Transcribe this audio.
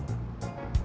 lalu dia siapkan